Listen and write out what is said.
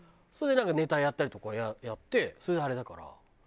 それでなんかネタやったりとかやってそれであれだから。